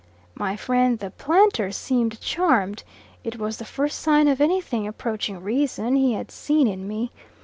My friend the planter seemed charmed; it was the first sign of anything approaching reason he had seen in me.